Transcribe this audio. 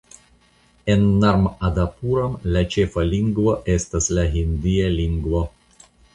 En Narmadapuram la ĉefa lingvo estas la hindia lingvo.